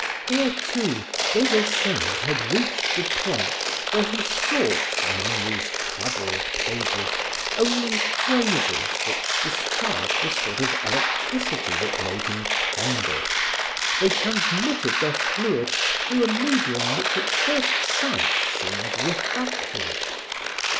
Here, too, Des Esseintes had reached the point where he sought, among these troubled pages, only phrases which discharged a sort of electricity that made him tremble; they transmitted their fluid through a medium which at first sight seemed refractory.